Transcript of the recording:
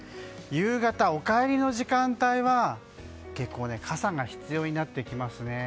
夕方、お帰りの時間帯は結構傘が必要になってきますね。